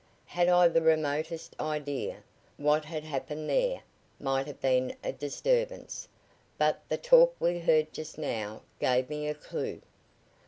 Had I the remotest idea what had happened there might have been a disturbance. But the talk we heard just now gave me a clue."